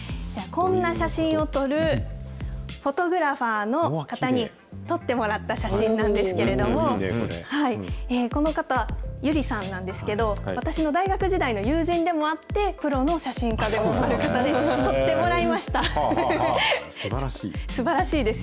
こんな写真を撮るフォトグラファーの方に撮ってもらった写真なんですけれども、この方、Ｙｕｒｉさんなんですけど、私の大学時代の友人でもあって、プロの写真家でもある方で、撮ってもらいましすばらしい。